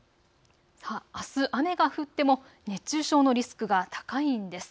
あす、雨が降っても熱中症のリスクが高いんです。